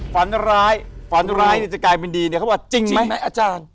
ฝันร้ายฝันร้ายเนี่ยจะกลายเป็นดีเนี่ยเขาบอกจริงไหมอาจารย์